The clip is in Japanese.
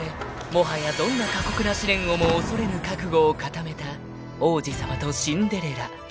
もはやどんな過酷な試練をも恐れぬ覚悟を固めた王子様とシンデレラ］